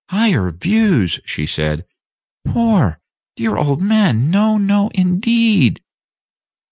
"Higher views!" she said; "poor, dear old man, no, no, indeed."